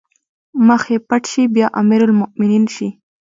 مخ يې پټ شي بيا امرالمومنين شي